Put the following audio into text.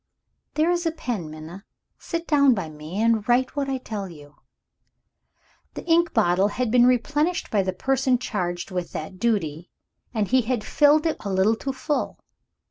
"There is a pen, Minna. Sit down by me, and write what I tell you." The ink bottle had been replenished by the person charged with that duty; and he had filled it a little too full.